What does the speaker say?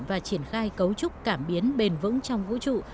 và triển khai cấu trúc cảm biến bền vững trong vũ trụ